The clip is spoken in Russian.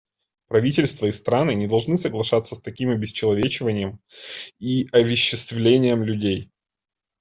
Правительства и страны не должны соглашаться с таким обесчеловечением и овеществлением людей.